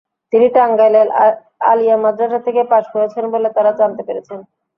তিনি টাঙ্গাইলের আলিয়া মাদ্রাসা থেকে পাস করেছেন বলে তাঁরা জানতে পেরেছেন।